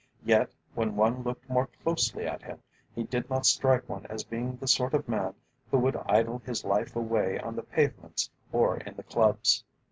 Yet when one looked more closely at him, he did not strike one as being the sort of man who would idle his life away on the pavements or in the clubs.